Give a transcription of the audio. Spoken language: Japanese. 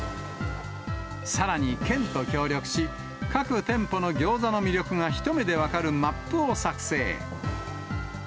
さらに、県と協力し、各店舗のギョーザの魅力が一目で分かるマップを作成。